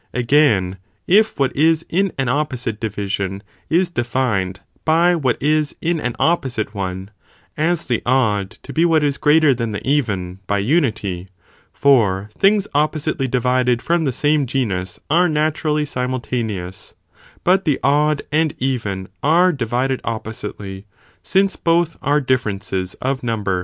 Ἐπ Again, if what is in an opposite division is de the definition fined by what is in an opposite one, as the odd to he by aco" (0 be what is greater than the even, by unity: for things oppositely divided from the same ge — nus are naturally simultaneous, but the odd and even, are divided oppositely, since both are differences of number.